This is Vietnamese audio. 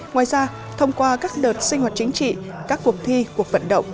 ngoài ra thông qua các đợt sinh hoạt chính trị các cuộc thi cuộc vận động